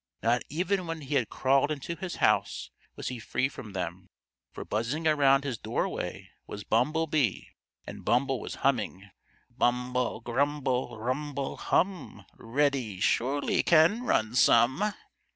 Not even when he had crawled into his house was he free from them, for buzzing around his doorway was Bumble Bee and Bumble was humming: "Bumble, grumble, rumble, hum! Reddy surely can run some."